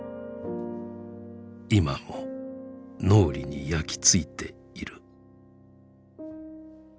今も脳裏に焼きついている」。